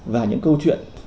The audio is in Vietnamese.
và những câu chuyện